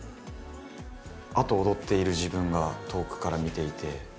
あと踊っている自分が遠くから見ていて。